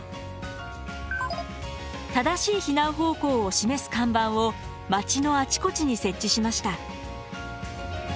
正しい避難方向を示す看板を町のあちこちに設置しました。